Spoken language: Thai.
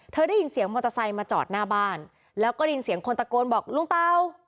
ได้ยินเสียงมอเตอร์ไซค์มาจอดหน้าบ้านแล้วก็ได้ยินเสียงคนตะโกนบอกลุงเปล่า